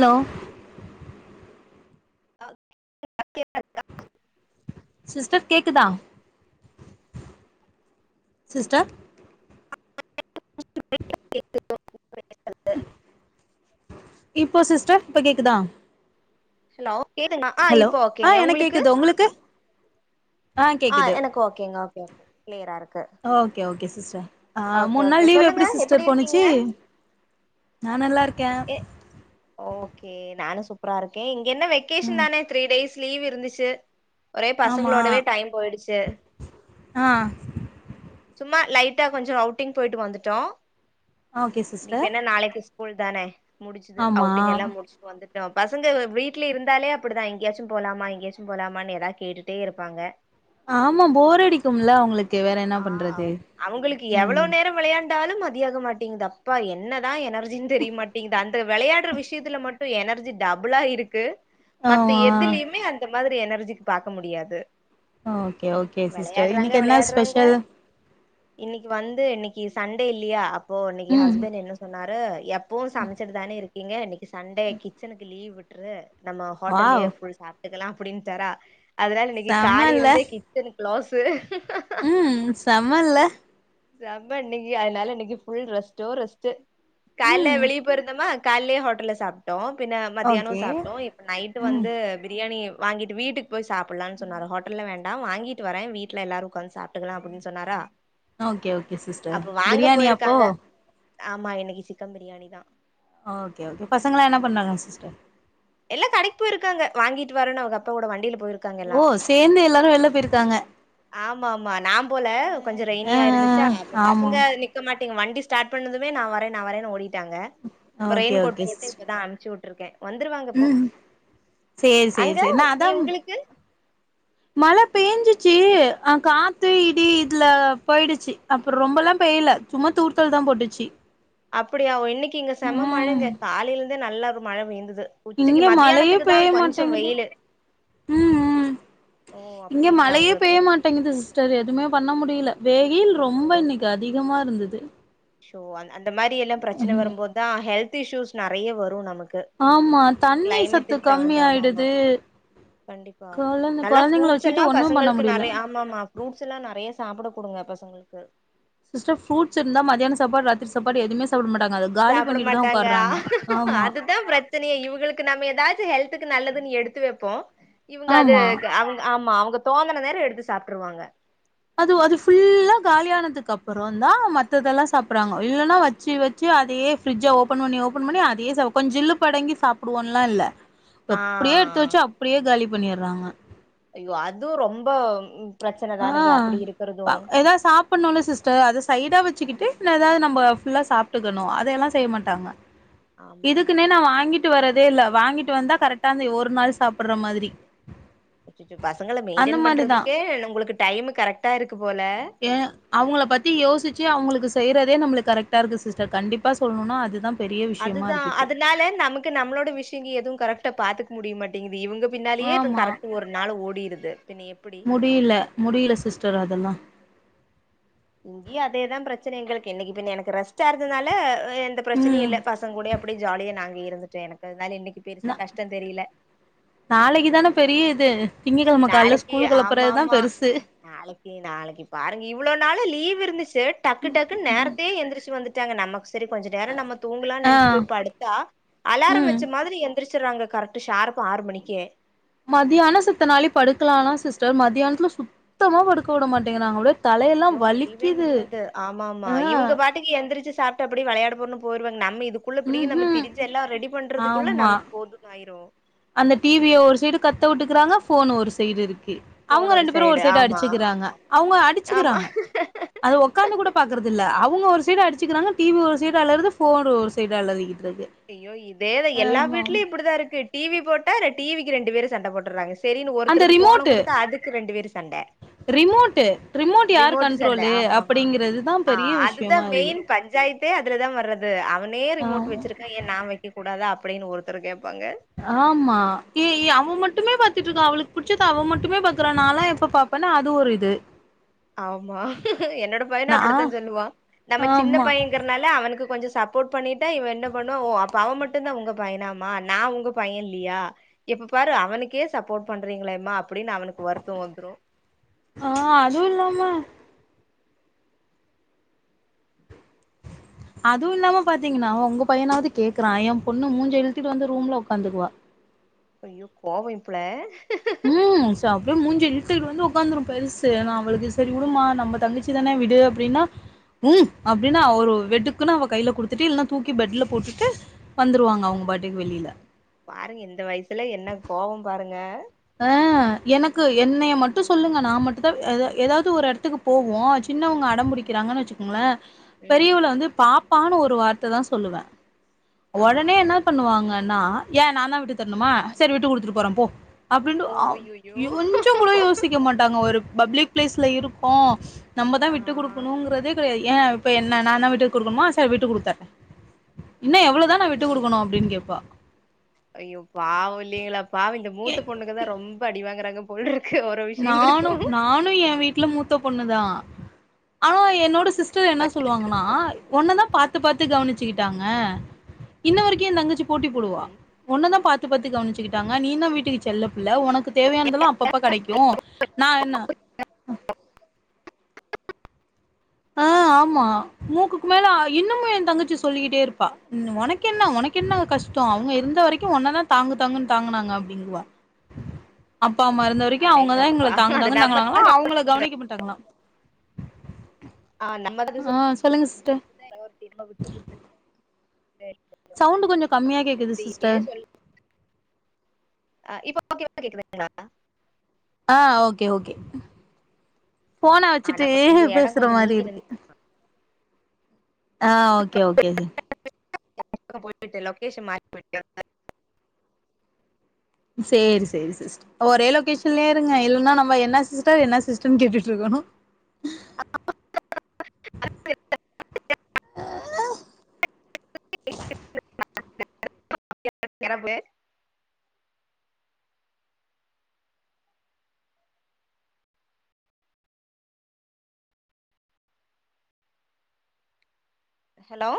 hello [unintelligible] sister கேக்குதா sister [unintelligible] இப்போ sister இப்ப கேக்குதா ஹலோ கேதுண்ணா ஆ ஹலோ இப்போ ஆ ஓகேங்க எனக்கு உங்களுக்கு கேக்குது ஆ எனக்கு ஓகேங்க ஓகே கிளியரா இருக்கு ஓகே ஓகே சிஸ்டர் ஆ ஓகே மூணு ஓகே நாள் லீவ் சொல்லுங்க எப்டி சிஸ்டர் இருக்கீங்க போணுச்சு நா நல்லா இருக்கேன் ஓகே நானும் சூப்பரா இருக்கேன் இங்க என்ன வெக்கேஷன் ம் தானே த்ரீ டேஸ் லீவ் இருந்துச்சு ஒரே ஆமா பசங்களோடவே டைம் போய்டுச்சு ஆ சும்மா லைட்டா கொஞ்சோ அவுட்டிங் போய்ட்டு வந்துட்டோம் ஓகே சிஸ்டர் இப்பென்ன நாளைக்கு ஸ்கூல் தானே முடிச்சுது ஆமா அவுட்டிங் எல்லாம் முடிச் வந்துட்டோம் பசங்க வீட்லே இருந்தாலே அப்டிதான் எங்கேயாச்சும் போலாமா எங்கேயாச்சும் போலாமான்னு ஏதா கேட்டுட்டே இருப்பாங்க ஆமா போர் அடிக்கும்ல அவுங்களு ஆ அவ் அவங்களுக்கு எவ்ளோ ம் நேரோ விளையாண்டாலும் மதியாக மாட்டிங்குது அப்பா என்னதான் எனர் ஜின்னு தெரியமாட்டேங்குது அந்த விளையாடுற விஷயத்துல மட்டும் எனர்ஜி டபுளா இருக்கு மத்த ஆமா எதுலயுமே அந்த மாரி எனர்ஜிக்கு பாக்க முடியாது ஆ ஓகே ஓகே சிஸ்டர் இன்னைக்கு என்ன ஸ்பெஷல் இன்னிக்கு வந்து இன்னிக்கு சண்டே இல்லையா அப்போ இன்னிக்கு என் ம் ஹஸ்பண்ட் என்ன சொன்னாரு எப் பவும் சமைச்சிட்டுதானே இருக்கீங்க இன்னிக்கு சண்டே கிச்சனுக்கு லீவ் விட்டுரு நம்ம வாவ் ஹோட்டல்லயே ஃபுல் சா ப்டுக்கலாம் அப்டின்டாரா அதனால இன்னிக்கு செம காலையில இல்ல இருந்தே கிச்சன் கிளோஸ்சு தமிழ்ல செம்ப இன்னிக்கு அதனால இன்னிக்கு புல் ரெஸ்ட்டோ ரெஸ்ட் கால்ல ம் வெளியே போய்ருந்தோமா கால்லே ஹோட்டல்ல சாப்பிட்டோம் பின்ன மதியானம் ஓகே சாப்பிட்டோம் இப்போ நைட்டு ம் வந்து பிரியாணி வாங்கிட்டு வீட்டுக்கு போய் சாப்பிடலாம்னு சொன்னார் ஹோட்டல்ல வேண்டாம் வாங்கிட்டு வர வீட்ல எல்லாரு உட்காந்து சாப் டலாம் அப்டின்னு சொன்னாரா ஓகே ஓகே சிஸ்டர் அப்ப வாங்க பிரியாணியாப்போ போயிருக்காங்க ஆமா இன்னிக்கு சிக்கன் பிரியாணி தான் ஆ ஓகே ஓகே பசங்களா என்ன பண்றாங்க சிஸ்டர் எல்லா கடைக் போய்ருக்காங்க வாங்கிட்டு வரனு அவுங்க அப்ப கூட வண்டியில போய்ருக் ஓ சேந்து எல்லாரு வெள்ல போய்ருக்காங்க ஆமா ஆமா நா போல கொஞ்சோ ஆ ரெய்னியா இருந்துச்சா அப்ப ஆமா பசங்க அன்னிக் இருக்க மாட்டேங்க வண்டி ஸ்டாட் பண்ணதுமே நா வரே நா வரேனு ஓடிடாங்க இப்ப ஓகே ரெய்ன் கோட் ஓகே போட்டு சிஸ் இப்பதா அம்ச்சி வுட் ருக்கே வந்துருவாங்க போ ம் சேரி சேரி அங்க சேரி நா நீ அதா உங்களுக்கு மழ பே ஞ்சிச்சி அ காத்து இடி இதுல போய்டுச்சி அப்போ ரொம்பெல்லா பெய்யில சும்மா தூர்த்தல் தா போட்டுச்சி அப்படியா ஒ இன்னைக்கு இங்க செம்ம மழங்க காலையிலந்தே நல்ல ஒரு மழ பெய்ந்தது உச்சிக்கு இங்க மழையே மத்யானத்துக்கு தா பெய்ய கொஞ்சோ மாட்டேங்குது வெயிலு ம் ம் ஓ இங்க அப்படிங்களா மழையே உங்களுக்கு பெய்ய மாட்டேங்கிது சிஸ்டர் எதுமே பண்ண முடியில வெயில் ரொம்ப ஐயோ இன்னைக்கு அதிகமா இருந்தது ஷோ அந் அந்த மாரி எல்லா பிரச்சன வரும்போதா ஹெல்த் இஷியூஸ் நெறைய வரு நமக் ஆமா தண்ணி சத்து கம்மி ஆமா ஆமா ஆயிடுது கண்டிப்பா கொழந்த நல்லா கொழந்தைங்கள ஃப்ரூட்ஸ் எல்லா வச்சுக்கிட்டு ஒன்னும் பண்ண பசங்கள்க்கு முடியல நெறைய ஆமாமா ஃப்ரூட்ஸ் எல்லா நெறைய சாப்ட குடுங்க பசங்களுக்கு சிஸ்டர் ஃப்ரூட்ஸ் இருந்தா மதியாண சாப்பாடு ராத்திரி சாப்பாடு எதுமே சாப்ட மாட்டாங்க அது சாப்ட மாட்டாங்க அது தா பிர ச்சனையே இவுங்களுக்கு நம்ம ஏதாச்சி ஹெல்த்துக்கு நல்லதுன் எடுத்து வெப்போ இவுங்க அது ஆமா அவுங்க ஆமா அவுங்க தோனன நேரோ எடுத்து சாப்ட்டுருவாங்க அது அது ஃபுல்லா காலியானதுக்கு அப்புற தா மத்ததெல்லா சாப்பறாங்க இல்லனா வச்சி வச் சி அதே ஃப்ரி்ஜ ஓபன் பண்ணி ஓபன் பண்ணி அதே செவ கொஞ் ஜில்லு படங்கி சாப்டுவோன்லா இல்ல அப்டியே எடுத்து ஆ வச்சி அப்டியே காலி பண்ணிறாங்க ஐயோ அதுவு ரொம்ப பிரச்சன ஆ தானுங்க அப்டி இருக்கறது ஏதா சாப் பனாலு சிஸ்டர் அத சைடா வச்சிக்கிட்டு ஏதாவது நம்ம ஃபுல்லா சாப்ட்டுக்கனு அதையெல்லா செய்ய மாட்டாங்க [inaudible] ஆமா இதுக்குனே நா வாங்கிட்டு வரதே இல்ல வாங்கிட்டு வந்தா கரெக்டா அந்த ஒரு நாள் சாப்பிற மாதிரி அச்சச்சோ பசங்கள அந்த மெயின்டென் மாரிதா பண்றதுக்கே உங்களுக்கு டைம் கரெக்டா இருக்கு போல ஏ அவுங்கள பத்தி யோசிச்சி அவுங்களுக்கு செய்யறதே நம்மளுக்கு கரெக்டா இருக்கு சிஸ்டர் கண்டிப்பா சொல்லுனுனா அதுதா பெரிய விஷயமா அதுதா இருக்கு இப்போ அதனால நமக் கு நம்ளோட விஷ் இங்க எதுவு கரெக்டா பாத்துக்க முடிய மாட்டேங்கிது இவுங்க பின்னாலயே ஆமா கரெக்ட் ஒரு நாளு ஓடிருது பின்ன எப்புடி அப்டி இல்ல முடியில சிஸ்டர் அதெல்லா இங்கியு அதேதா பிரச்சன எங்களுக்கு என்னைக்கு பின்ன எனக்கு ரெஸ்ட் ஆ இருந்துனால எந்த பிரச்சனையு ம் இல்ல பசங் கூடயே அப்டியே ஜாலியா நாங்க இருந்துட்டே எனக்கு அதனால இன்னைக்கு பெருசா நா கஷ்ட தெரியில நாளைக்கு தான பெரிய இது நீ திங்ககெழம கால்ல நாளைக்கு ஸ்கூல் ஆமா கெலப்பறதா ஆமா பெருசு நாளைக்கு நாளைக்கு பாருங்க இவ்ளோ நாளு லீவ் இருந்துச்சி டக்கு டக்குன் நேரத்யே எந்திரச்சி வந்துட் டாங்க நமக்கு செரி கொஞ்ச நேரோ நம்ம தூங்கலான் ஆ நெனச்சி போய் படுத்தா அலாரம் ம் வச்ச மாதிரி எந் திரிச்சிறாங்க கரெக்ட்டு ஷார்ப்பா ஆறு மணிக்கே மத்தியாணோ சித்த நாளே படுக்கலாலா சிஸ்டர் மதியானத்துல சுத்தமா படுக்க வுட மாட்டேங்கிறாங்க அப்டியே தலையெல்லா ஐயோ முடியவே வலிக்குது முடியாது ஆமாமா ஆ இவுங்க பாட் டுக்கு எந்திரிச்சி சாப்ட்டு அப்டியே வெளையாட போனு போயிருவாங்க நம்ம இதுக் புள்ள இப்பிடி ம் நம்ம ஹூம் திரிஞ்ச எல்லா ரெடி பண்றதுக்குள்ள ஆமா நமக் போதுன் ஆயிரு அந்த டிவிய ஒரு சைடு கத்த வுட்டுக்குறாங்க ஃபோன் ஒரு சைடு இருக்கு அவங்க ரெண்டு பேரு ஒரு சைடு அடிச்சுக்கிறாங்க அவங்க ஆமா அடிச்சுக்கிறாங்க அது உக்காந்து கூட பாக்கறதில்ல அவங்க ஒரு சைடு அடிச்சிக்கிறாங்க டிவி ஒரு சைடு அலருது ஃபோனு ஒரு சைடு அலரிகிட்டு இருக்கு ஐயோ இதேதா எல்லா ஆமா வீட்லயு இப்டிதா இருக்கு டிவி போட்டா டிவிக்கு ரெண்டு பேரு சண்ட போட்டுறாங்க சரின்னு அந்த ஒருத்தருக்கு ஃபோனை ரிமோட்டு குடுத்தா அதுக்கு ரெண்டு பேரு சண்ட ரிமோட்டு யாரு ரிமோட் சண்ட கண்ட்ரோலு ஆமா மா அப்படிங்கறதுதா அ பெரிய அதுதா விஷயமா இருக்கு மெயின் பஞ்சாயத்து தே அதுலதா வர்றது அவனே ரிமோட் ஆமா வச்சிருக்கான் ஏன் நான் வைக்க கூடாதா அப்டின்னு ஒருத்தர் கேப்பாங்க ஆமா ஏ ஏ அவ மட்டுமே பாத்துட்டு இருக்கான் அவளுக்கு புடிச்சது அவ மட்டுமே பாக்குறா நாலா எப்ப பா அப்பனா அது ஒரு இது ஆமா என்னோட பையனு நா அப்டித்தா சொல்லுவா நம்ம சின்ன ஆமா பைய இருக்கனால அவனுக்கு கொஞ்சோ சப்போர்ட் பண்ணிட்டா இவன் என்ன பண்ணுவா ஓ அவன் மட்டுதா உங்க பையனாமா நான் உங்க பையன்ல்லியா எப்ப பாரு அவனுக்கே சப்போர்ட் பண்றீங்களேம்மா அப்டின்னு அவனுக்கு வருத்த வந்ரு அ அதுவு இல்லாம அதுவு இல்லாம பாத்தீங்கன்னா உங்க பையனாவது கேக்குறா என் பொண்ணு மூஞ்ச இலுத்துட்டு வந்து ரூம்ல உக்காந்துக்குவா ஐயோ கோவம் இப்புள்ள உம் ச அப்டியே மூஞ்ச இலுத்து வந்து உக்காந்துரும் பெருசு நான் அவளுக்கு சரி விடுமா நம்ம தங்கச்சி சிதான விடு அப்டின்னா ம் அப்டின்னு ஒரு வெடுக்குன்னு அவ கைல கு டுத்துட்டு இல்லன்னா தூக்கி பெட்ல போட்டுட்டு வந்துருவாங்க அவங்க பாட்டுக்கு வெளில பாருங்க இந்த வயசுல என்ன கோப பாருங்க அ எனக்கு என்னைய மட்டு சொல்லுங்க நான் மட்டு தான் எதாவது ஒரு இடத்துக்கு போவோம் சின்னவங்க அடம் புடிக்கிறாங்கன் வச்சுக்கோங்களே பெரியவல ம் வந்து பாப்பான் ஒரு வார்த்ததா சொல்லுவே ஆ உடனே என்ன பண்ணுவாங்க ன்னா ஏ நா தா விட்டு தரணுமா சரி விட்டு குடுத்துட்டு போற போ அப்டின்னு ஓ அ ஐயையோ கொஞ்சோ கூட யோ சிக்க மாட்டாங்க ஒரு பப்ளிக் பிளேஸ்ல இருக்கோ நம்ம தா ஆ விட்டு குடுக் குடுக்கனுங்கறதே கெடையாது ஏ இப்ப என்ன நா தா விட்டு குடுக்கணுமா ச விட்டு குடுத்த இன்னு எவ்ளோதா நா ஐயையோ விட்டு குடுக்கணு அப்டின் கேப்பா ஐயோ பாவ இல்லைங்களா பாவ இந்த மூத்த பொண்ணுங்கதா ரொம்ப அடிவாங்கறாங்க போலருக்கு ஒரு விஷயங்களுக்கு நானும் நானும் என் வீட்டுல மூத்த பொண்ணுதா அவ என்னோட சிஸ்டர் என்ன சொல்லுவாங்கன்னா ஒன்னதா பாத்து பாத்து கவனிச்சுகிட்டாங்க இன்ன வரைக்கு எ தங்கச்சி போட்டி போடுவா ஒன்னதா பாத்து பாத்து கவனிச்சுகிட்டாங்க நீ தா வீட்டுக்கு செல்ல பிள்ள உனக்கு தேவையானதெல்லா அப்பப்ப கெடைக்கு நா என்ன ஆ [inaudible] ஆமா மூக்குக்கு மேல இன்னமு என் தங்கச்சி சொல்லிக்கிட்டே இருப்பா உனக்கெ ன்ன உனக் கென்ன கஷ்ட அவங்க இருந்த வரைக்கு ஒன்னதா தாங்கு தாங்குன் தாங்குனாங்க அப்டிங்குவா [inaudible] அப்பா அம்மா இருந்த வரைக்கு அவங்கதான் எங்கள அடேங்கப்பா தாங்கு அது தாங்குன் நம்ம தாங்குனாங்களா அவங்கள கவனிக்க மாட்டாங்களா ஆ நம்மதா ஆ சொல்லுங்க சிஸ்டர் தவர் கேப்பா விட்டு குடுத்துரு சரிக்கா சவுண்ட்டு கொஞ்சோ கம்மியா கேக்குது சிஸ்டர் அ இப்ப ஓகே வா கேக்குதுங்ளா ஆ ஓகே ஓகே ஃபோன ஆனா வச்சுட்டு கொஞ்சோ எடோ பேசுற கொஞ்சோ மாரி நீங்கி நின்னு இருக்கு ஆ ஓகே ஓகே து அங்க தா போயிட்டு இருக்கே லொக்கேஷன் மாறி போய்டே செரி செரி செரி ஒரே லொக்கேஷன்லயே இருங்க இல்லனா நம்ம என்ன சிஸ்டர் என்ன சிஸ்டர்னு கேட்டுட்டு இருக்கணு [inaudible] [inaudible] ஹலோ